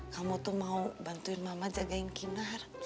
kamu tuh mau bantuin mama jagain kinar